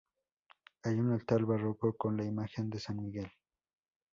Hay un altar barroco con la imagen de San Miguel.